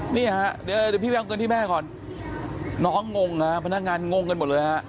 นี่ฮะเดี๋ยวพี่ไปเอาเงินที่แม่ก่อนน้องงงฮะพนักงานงงกันหมดเลยฮะ